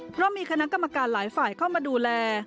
เพราะมีคณะกรรมการหลายฝ่ายเข้ามาดูแล